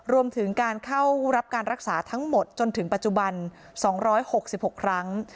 รวมถึงการเข้ารับการรักษาทั้งหมดจนถึงปัจจุบัน๒๖๖ครั้ง